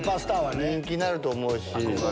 人気になると思うし。